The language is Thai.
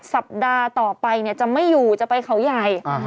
สัปดาห์ต่อไปจะไม่อยู่จะไปเขาใหญ่